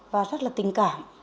và rất là tình cảm